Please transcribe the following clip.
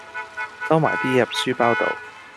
收埋啲嘢入書包度